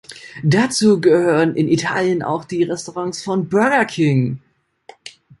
Dazu gehören in Italien auch die Restaurants von Burger King.